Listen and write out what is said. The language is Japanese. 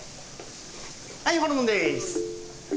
はいホルモンです。